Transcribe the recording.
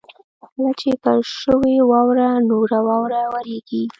کله چې پر شوې واوره نوره واوره ورېږي.